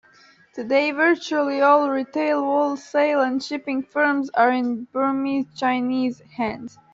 Today, virtually all retail, wholesale and shipping firms are in Burmese Chinese hands.